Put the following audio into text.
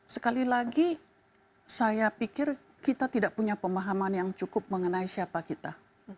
sekali lagi saya pikir kita tidak punya pemahaman yang cukup mengenai siapa kita